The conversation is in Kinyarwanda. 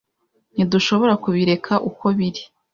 Ntidushobora kubireka uko biri?